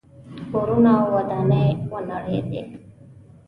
کورونه او ودانۍ ونړېدې.